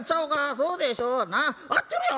そうでしょう？な？